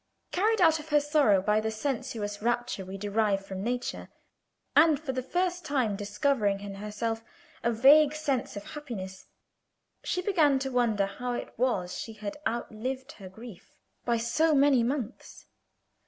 Carried out of her sorrow by the sensuous rapture we derive from nature, and for the first time discovering in herself a vague sense of happiness, she began to wonder how it was she had outlived her grief by so many months.